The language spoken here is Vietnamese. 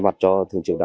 và có ý nghĩa